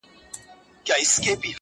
o دا زما د کوچنيوالي غزل دی ..